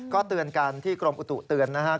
ก็เตือนกันที่กรมอุตุเตือนนะครับ